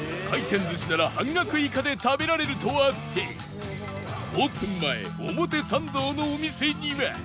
回転寿司なら半額以下で食べられるとあってオープン前表参道のお店には